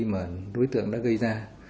mà đối tượng đã gây ra